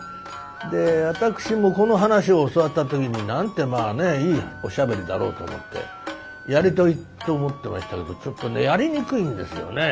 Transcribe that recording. で私もこの噺を教わった時になんてまあねいいおしゃべりだろうと思ってやりたいと思ってましたけどちょっとねやりにくいんですよね。